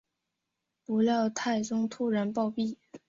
不料太宗突然暴毙。